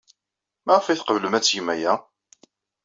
Maɣef ay tqeblem ad tgem aya?